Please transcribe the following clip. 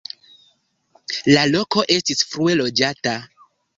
La loko estis frue loĝata.